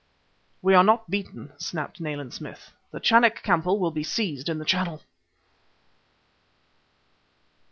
"We are not beaten!" snapped Nayland Smith. "The Chanak Kampo will be seized in the Channel!"